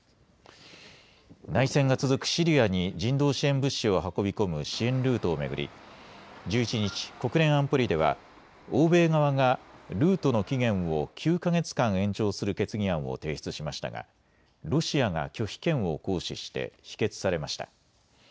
内戦が続くシリアに人道支援物資を運び込む支援ルートを巡り１１日、国連安保理では欧米側がルートの期限を９か月間延長する決議案を提出しましたがロシアが拒否権を行使して否決されました。